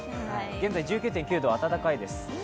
現在１９．９度、暖かいです。